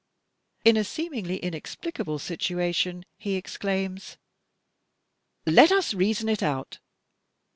In a seemingly inexplicable situation he exclaims: "Let us reason it out!"